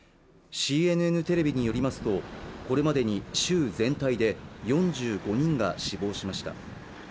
ＣＮＮテレビによりますとこれまでに州全体で４５人が死亡しました。